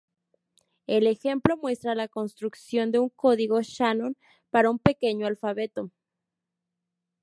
El ejemplo muestra la construcción de un código Shannon para un pequeño alfabeto.